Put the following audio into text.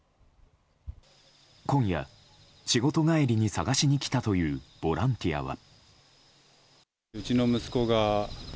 今夜、仕事帰りに捜しに来たというボランティアは。